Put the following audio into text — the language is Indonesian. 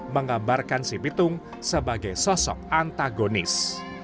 menggambarkan si bitung sebagai sosok antagonis